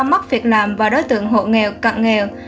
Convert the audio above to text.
mất việc làm và đối tượng hộ nghèo cận nghèo